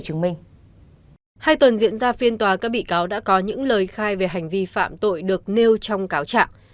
hiện ra phiên tòa các bị cáo đã có những lời khai về hành vi phạm tội được nêu trong cáo trạng